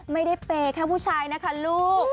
ไม่ได้เปย์แค่ผู้ชายนะคะลูก